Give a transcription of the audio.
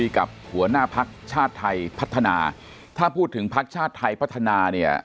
กับหัวหน้าพักชาติไทยพัฒนาถ้าพูดถึงพักชาติไทยพัฒนาเนี่ย